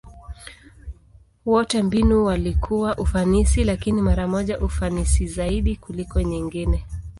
Wote mbinu walikuwa ufanisi, lakini mara moja ufanisi zaidi kuliko nyingine.